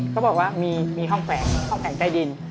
เขาบอกว่ามีห้องแฝงห้องแฝงใต้ดิน